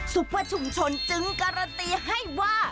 ปเปอร์ชุมชนจึงการันตีให้ว่า